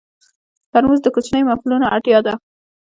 ترموز د کوچنیو محفلونو اړتیا ده.